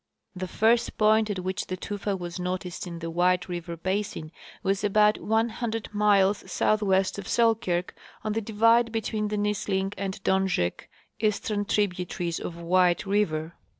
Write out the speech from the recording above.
The first point at which the tufa was noticed in the White River basin was about one hundred miles southwest of Sel kirk, on the divide between the Msling and Donjek, eastern tributaries of White river.